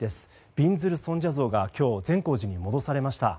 びんずる尊者像が今日、善光寺に戻されました。